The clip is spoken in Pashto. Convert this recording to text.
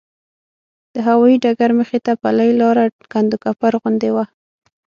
د هوایي ډګر مخې ته پلې لاره کنډوکپر غوندې وه.